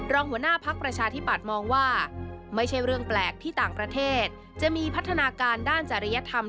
รวมถึงปลูกจิตสำนึกความรับผิดชอบ